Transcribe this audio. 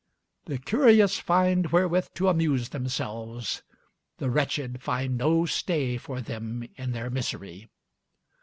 The curious find wherewith to amuse themselves; the wretched find no stay for them in their misery.